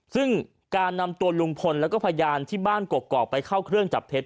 ซึ่งการนำตัวลุงพลแล้วก็พยานที่บ้านกกอกไปเข้าเครื่องจับเท็จ